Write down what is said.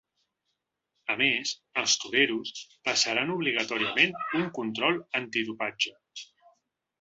A més, els toreros passaran obligatòriament un control antidopatge.